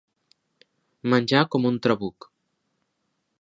Menjar com un trabuc.